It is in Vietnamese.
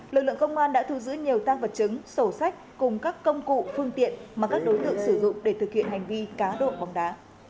lực lượng công an đã thu giữ nhiều tăng vật chứng sổ sách cùng các công cụ phương tiện mà các đối tượng sử dụng để thực hiện hành vi cá độ bóng đá